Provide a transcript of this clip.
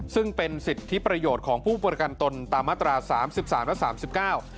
ซึ่งเป็นสิทธิประโยชน์ของผู้ประกันตนตามมาตรา๓๓และ๓๙